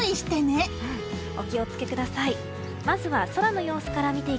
お気を付けください。